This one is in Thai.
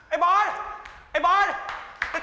ไอ้บอสไอ้บอสไอ้บอส